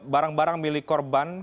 barang barang milik korban